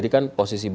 di bah hutchplatz